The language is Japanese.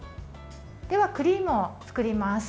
では、クリームを作ります。